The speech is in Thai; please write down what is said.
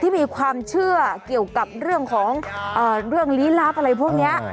ที่มีความเชื่อเกี่ยวกับเรื่องของเรื่องลี้ลับอะไรพวกนี้